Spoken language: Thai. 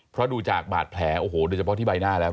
เพราะดูจากบาดแผลโอ้โหโดยเฉพาะที่ใบหน้าแล้ว